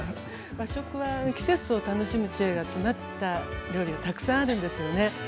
和食は季節を楽しむ知恵が詰まった料理がたくさんあるんですよね。